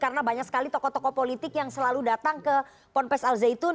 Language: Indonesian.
karena banyak sekali tokoh tokoh politik yang selalu datang ke ponpes alzeitun